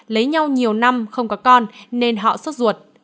lấy nhau nhiều năm không có con nên họ suốt ruột